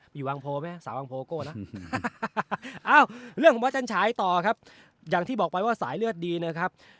อยู่วังโพไหมสาววังโพโก้นะเอ้าเรื่องของวัดจันฉายต่อครับอย่างที่บอกไปว่าสายเลือดดีนะครับ